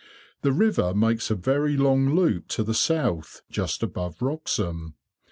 The river makes a very long loop to the south, just above Wroxham.